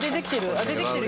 出てきてる？